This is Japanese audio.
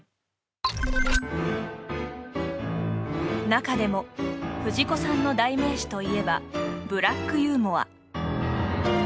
中でも藤子さんの代名詞といえば「ブラックユーモア」